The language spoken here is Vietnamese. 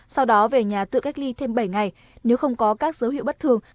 sau đó về nhà tự cách ly thêm bảy ngày nếu không có các dấu hiệu bất thường